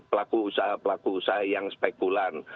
pelaku usaha pelaku usaha yang spekulan